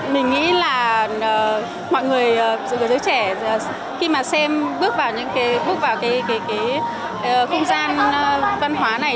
mình nghĩ là mọi người dưới trẻ khi mà xem bước vào những cái khung gian văn hóa này